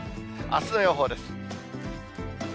あすの予報です。